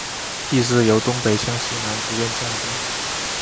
地势由东北向西南逐渐降低。